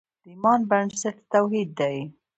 د ایمان بنسټ توحید دی.